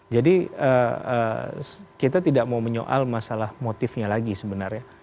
jadi kita tidak mau menyoal masalah motifnya lagi sebenarnya